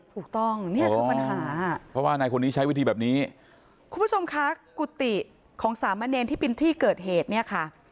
ถูกต้องเนี่ยคือปัญหาเพราะว่านายคนนี้ใช้วิธีแบบนี้คุณผู้ชมคะกุฏิของสามะเนรที่เป็นที่เกิดเหตุเนี่ยค่ะ